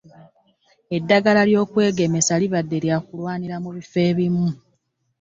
eddagala ly'okwegemesa libadde lya kulwanira mu bifo ebimu.